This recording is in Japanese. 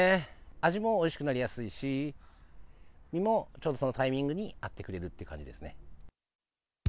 味もおいしくなりやすいし、実もちょうどそのタイミングに合ってくれるという感じですね。